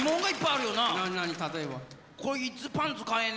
例えば？